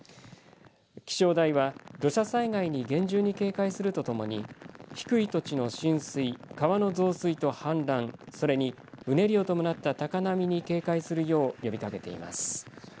気象台は土砂災害に厳重に警戒するとともに低い土地の浸水、川の増水と氾濫それに、うねりを伴った高波に警戒するよう呼びかけています。